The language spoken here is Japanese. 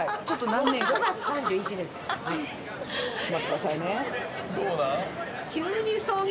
待ってくださいね。